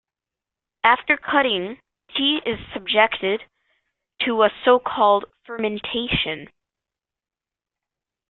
After cutting, tea is subjected to a so-called fermentation.